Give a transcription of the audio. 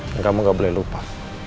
kamu gak boleh lupa